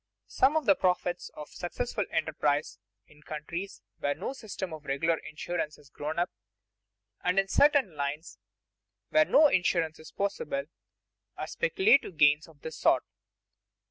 Some of the profits of successful enterprise in countries where no system of regular insurance has grown up, and in certain lines here where no insurance is possible, are speculative gains of this sort.